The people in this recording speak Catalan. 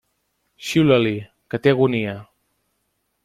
Xiula-li, que té agonia.